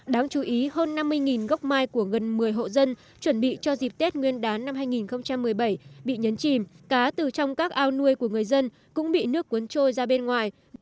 đáng chú ý hơn năm mươi gốc mai của gần một mươi hộ dân chuẩn bị cho dịp tết nguyên đán năm hai nghìn một mươi bảy bị nhấn chìm cá từ trong các ao nuôi của người dân cũng bị nước cuốn trôi ra bên ngoài